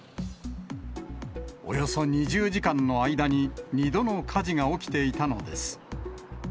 およそ２０時間の間に、２度の火事が起きていたのです。